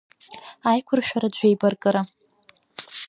Аиқәыршәаратә жәеибаркыра…